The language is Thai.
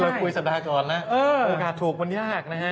ที่เราคุยสัปดาห์ก่อนแล้วโอกาสถูกมันยากนะครับ